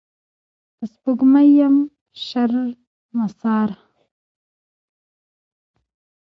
د سپوږمۍ یم شرمساره